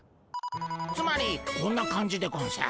つまりこんな感じでゴンス。